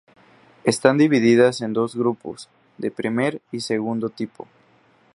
Están divididas en dos grupos: de primer y segundo tipo.